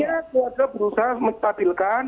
kita berusaha menstabilkan